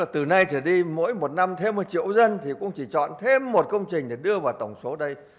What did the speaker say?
từ nay trở đi mỗi một năm thêm một triệu dân thì cũng chỉ chọn thêm một công trình để đưa vào tổng số đây